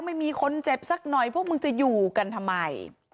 ไม่มีคนเจ็บสักหน่อยพวกมึงจะอยู่กันทำไม